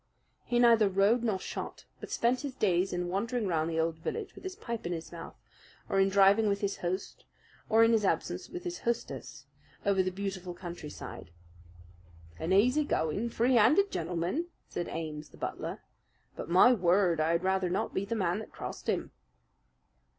He neither rode nor shot, but spent his days in wandering round the old village with his pipe in his mouth, or in driving with his host, or in his absence with his hostess, over the beautiful countryside. "An easy going, free handed gentleman," said Ames, the butler. "But, my word! I had rather not be the man that crossed him!"